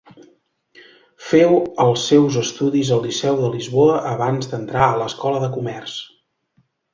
Féu els seus estudis al Liceu de Lisboa abans d'entrar a l'Escola de Comerç.